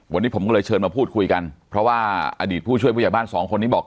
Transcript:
วันนี้ผมก็เลยเชิญมาพูดคุยกันเพราะว่าอดีตผู้ช่วยผู้ใหญ่บ้านสองคนนี้บอก